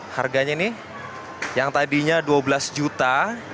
harganya ini yang tadinya dua belas juta